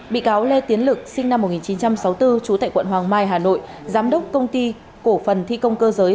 bị cáo lê tiến lực sinh năm một nghìn chín trăm sáu mươi bốn trú tại quận hoàng mai hà nội giám đốc công ty cổ phần thi công cơ giới